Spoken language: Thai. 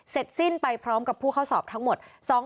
สิ้นไปพร้อมกับผู้เข้าสอบทั้งหมด